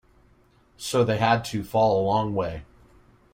So they had to fall a long way.